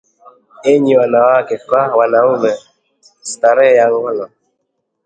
Enyi wanawake kwa wanaume, starehe ya ngono